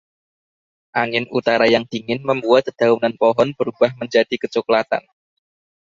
Angin utara yang dingin membuat dedaunan pohon berubah menjadi kecoklatan.